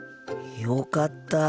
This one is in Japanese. よかった。